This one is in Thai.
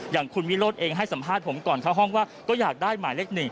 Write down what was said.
อย่างคุณวิโรธเองให้สัมภาษณ์ผมก่อนเข้าห้องว่าก็อยากได้หมายเลข๑